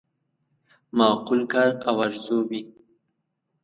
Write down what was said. معقول کار او آرزو وي.